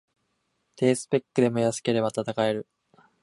低スペックでも安ければ戦える